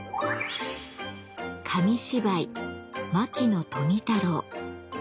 紙芝居「牧野富太郎」。